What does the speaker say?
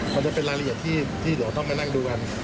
มันจะเป็นรายละเอียดที่เดี๋ยวต้องไปนั่งดูกัน